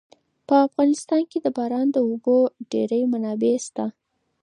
په افغانستان کې د باران د اوبو ډېرې منابع شته.